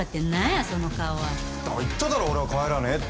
言っただろ俺は帰らねえって。